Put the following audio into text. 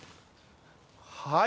はい。